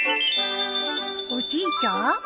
おじいちゃん？